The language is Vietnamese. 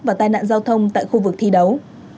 và tai nạn giao thông tại khu vực thi đấu